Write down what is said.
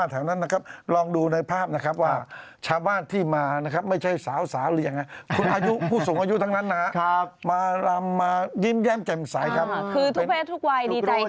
คือทุกเพศทุกวายดีใจที่ได้ทำบุญกันวันนี้